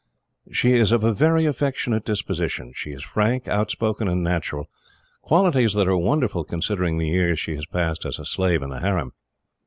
"She is of a very affectionate disposition. She is frank, outspoken, and natural qualities that are wonderful, considering the years she has passed as a slave in the harem.